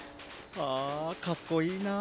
あかっこいいな。